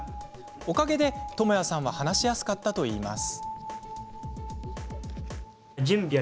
おかげで、ともやさんは話しやすかったといいます。